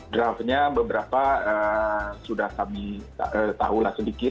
draftnya beberapa sudah kami tahulah sedikit